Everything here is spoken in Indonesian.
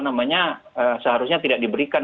namanya seharusnya tidak diberikan